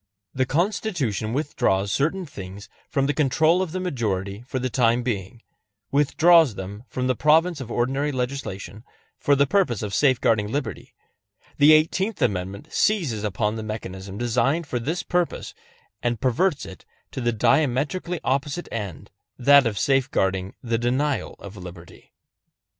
The Constitution withdraws certain things from the control of the majority for the time being withdraws them from the province of ordinary legislation for the purpose of safeguarding liberty, the Eighteenth Amendment seizes upon the mechanism designed for this purpose, and perverts it to the diametrically opposite end, that of safeguarding the denial of liberty.